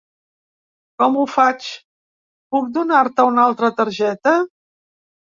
Com ho faig, puc donar-te un altra targeta?